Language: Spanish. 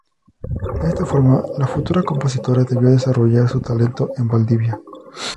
De esta forma, la futura compositora debió desarrollar su talento en Valdivia.